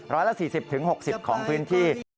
เวลา๔๐๖๐ของพื้นที่